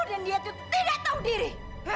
dan dia itu tidak tahu diri